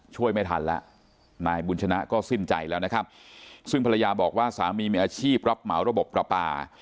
ช่วยไม่ทันแล้วนายบุญชนะก็สิ้นใจแล้วนะครับซึ่งภรรยาบอกว่าสามีมีอาชีพรับเหมาระบบประปา